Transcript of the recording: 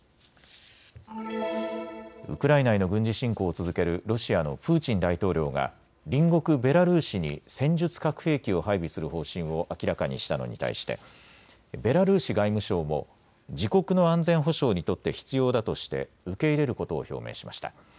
ウクライナへの軍事侵攻を続けるロシアのプーチン大統領が隣国ベラルーシに戦術核兵器を配備する方針を明らかにしたのに対してベラルーシ外務省も自国の安全保障にとって必要だとして受け入れることを表明しました。